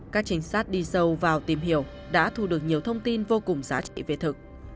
các trinh sát đi sâu vào tìm hiểu đã thu được nhiều thông tin vô cùng giá trị về thực